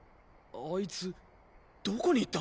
あいつどこに行った？